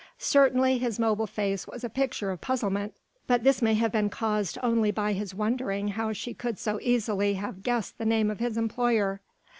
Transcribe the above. Certainly his mobile face was a picture of puzzlement, but this may have been caused only by his wondering how she could so easily have guessed the name of his employer.